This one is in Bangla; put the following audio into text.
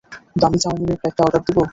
দামী চাওমিনের প্লেটটা অর্ডার দিব?